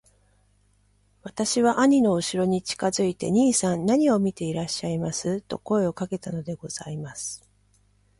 私は兄のうしろに近づいて『兄さん何を見ていらっしゃいます』と声をかけたのでございます。